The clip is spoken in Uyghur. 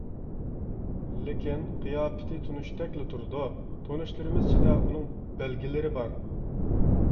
لېكىن قىياپىتى تونۇشتەكلا تۇرىدۇ، تونۇشلىرىمىز ئىچىدە ئۇنىڭ بەلگىلىرى بار.